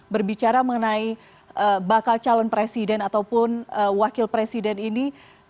berbicara mengenai bakal calon presiden ataupun wakil presiden ini